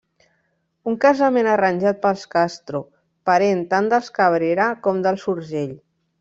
Un casament arranjat pels Castro, parent tant dels Cabrera com dels Urgell.